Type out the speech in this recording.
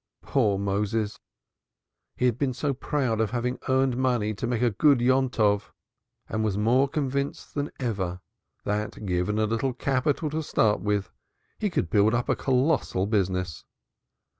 Poor Moses! He had been so proud of having earned enough money to make a good Yontov, and was more convinced than ever that given a little capital to start with he could build up a colossal business!